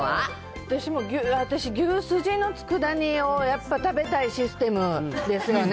私、牛すじのつくだ煮もやっぱ食べたいシステムですよね。